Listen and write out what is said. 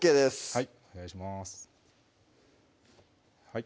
はいお願いします